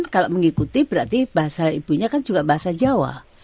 kalau mengikuti berarti bahasa ibunya kan juga bahasa jawa